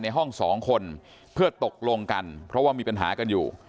ในห้องสองคนเพื่อตกลงกันเพราะว่ามีปัญหากันอยู่